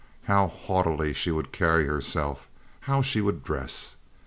How haughtily she would carry herself; how she would dress!